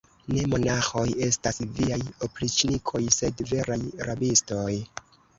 Ne monaĥoj estas viaj opriĉnikoj, sed veraj rabistoj.